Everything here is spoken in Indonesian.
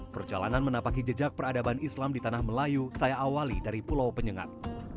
perjalanan menapaki jejak peradaban islam di tanah melayu saya awali dari pulau penyengat